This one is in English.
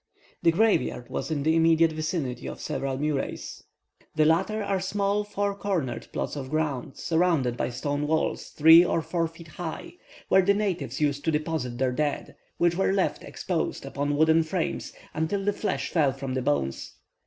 The graveyard was in the immediate vicinity of several murais. The latter are small four cornered plots of ground surrounded by stone walls three or four feet high, where the natives used to deposit their dead, which were left exposed upon wooden frames until the flesh fell from the bones.